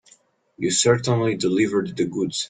You certainly delivered the goods.